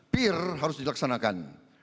peer harus dilaksanakan